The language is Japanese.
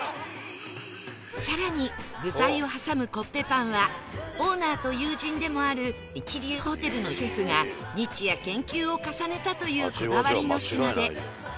更に具材を挟むコッペパンはオーナーと友人でもある一流ホテルのシェフが日夜研究を重ねたというこだわりの品で